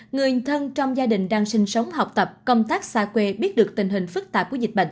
người thân trong gia đình đang sinh sống học tập công tác xa quê biết được tình hình phức tạp của dịch bệnh